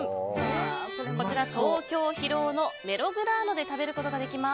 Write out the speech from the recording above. こちら東京・広尾のＭｅｌｏｇｒａｎｏで食べることができます。